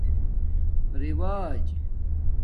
رِوج